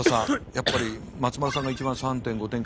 やっぱり松丸さんが一番３．５点から４って。